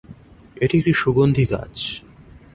এটি একটি সুগন্ধি গাছ।